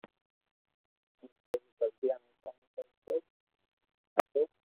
ھون پيري بلديئا ۾ ڪوم ڪرتو ھتو